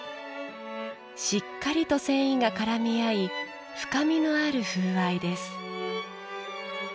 しっかりと繊維が絡み合い深みのある風合いです。